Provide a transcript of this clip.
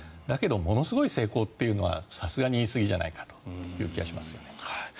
だけどものすごい成功というのはさすがに言いすぎじゃないかという気がします。